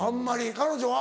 彼女は？